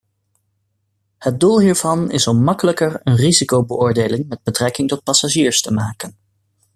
Het doel hiervan is om makkelijker een risicobeoordeling met betrekking tot passagiers te maken.